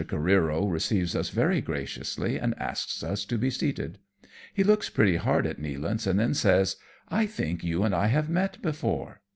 Careero receives us very graciously and asks us to be seated. He looks pretty hard at Nealance and then says, " I think you and I have met before